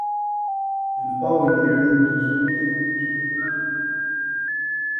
In the following year he used this same method to study nitrogen.